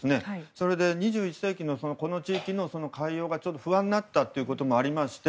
それで、２１世紀のこの地域の海洋が不安になったということもありまして